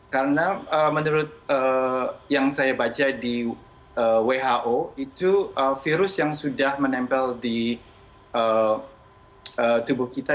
karena menurut yang saya baca di who itu virus yang sudah menempel di tubuh kita